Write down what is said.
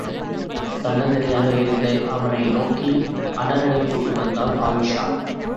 தன்னந்தனியாக இருந்த அவனை நோக்கி அன்னநடை போட்டு வந்தாள் ஆயீஷா!